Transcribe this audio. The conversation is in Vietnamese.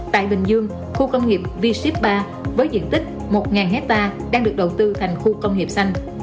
tại bình dương khu công nghiệp v ship ba với diện tích một hectare đang được đầu tư thành khu công nghiệp xanh